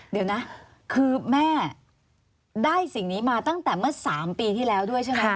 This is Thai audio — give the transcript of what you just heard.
เดี๋ยวนะคือแม่ได้สิ่งนี้มาตั้งแต่เมื่อ๓ปีที่แล้วด้วยใช่ไหม